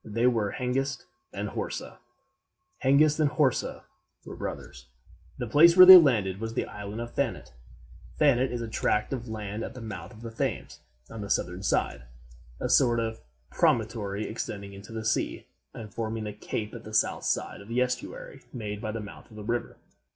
They were Hengist and Horsa. Hengist and Horsa were brothers. The place where they landed was the island of Thanet. Thanet is a tract of land at the mouth of the Thames, on the southern side; a sort of promontory extending into the sea, and forming the cape at the south side of the estuary made by the mouth of the river.